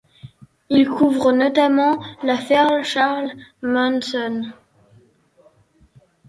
Il couvre notamment l'affaire Charles Manson.